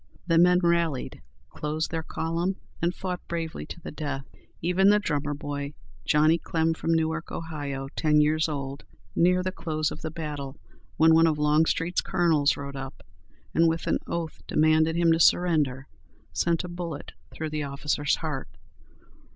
The men rallied, closed their column, and fought bravely to the death. Even the drummer boy, Johnny Clem, from Newark, Ohio, ten years old, near the close of the battle, when one of Longstreet's colonels rode up, and with an oath commanded him to surrender, sent a bullet through the officer's heart.